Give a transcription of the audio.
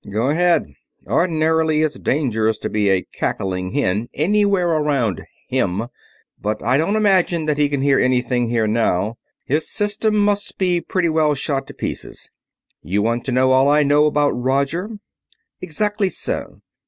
"Go ahead. Ordinarily it's dangerous to be a cackling hen anywhere around him, but I don't imagine that he can hear anything here now. His system must be pretty well shot to pieces. You want to know all I know about Roger?" "Exactly so.